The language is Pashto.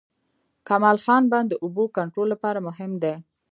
کمال خان بند د اوبو کنټرول لپاره مهم دی